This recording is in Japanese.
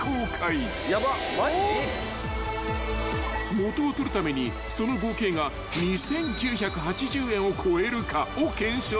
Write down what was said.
［元を取るためにその合計が２，９８０円を超えるかを検証する］